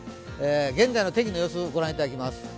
現在の天気の様子ご覧いただきます。